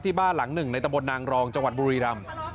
บ้านหลังหนึ่งในตะบนนางรองจังหวัดบุรีรำ